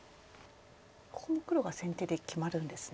ここに黒が先手で決まるんですね。